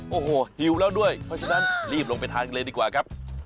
โอ้โหหิวแล้วด้วยเพราะฉะนั้นรีบลงไปทานกันเลยดีกว่าครับ